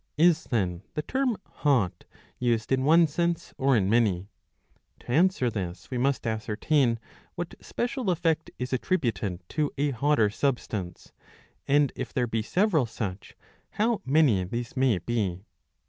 Is then the term hot used in one sense or in many ? To answer this we must ascertain what special effect is attributed to a hotter substance, and if there be several such, how many these may be.